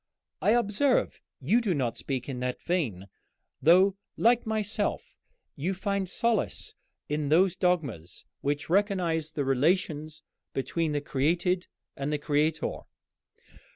I observe you do not speak in that vein, though, like myself, you find solace in those dogmas which recognize the relations between the created and the Creator."